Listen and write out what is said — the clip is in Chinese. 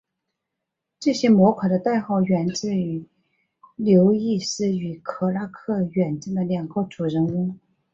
这些模块的代号源自于刘易斯与克拉克远征的两个主人翁。